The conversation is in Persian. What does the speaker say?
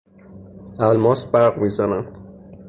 الماس برق میزند.